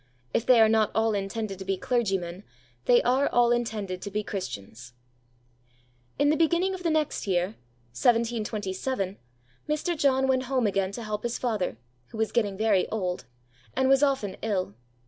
"If they are not all intended to be clergymen, they are all intended to be Christians." In the beginning of the next year (1727), Mr. John went home again to help his father, who was getting very old, and was often ill.